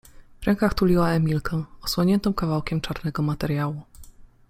W rękach tuliła Emilkę, osłoniętą kawałkiem czarnego materiału.